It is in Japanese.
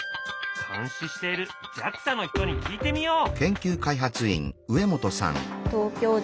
監視しているＪＡＸＡの人に聞いてみよう！